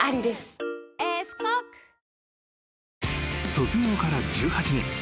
［卒業から１８年。